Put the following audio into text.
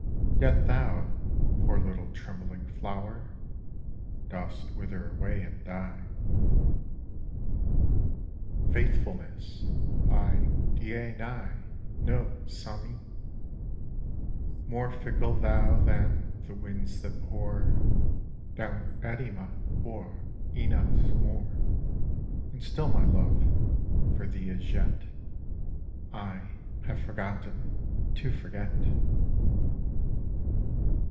Yet thou, poor little trembling flower. Dost wither away and die. FAITHFULNESS By Dai ni no Sammi More fickle thou than th' winds that pour Down Arima o'er Ina's moor. And still my love for thee as yet I have forgotten to forget.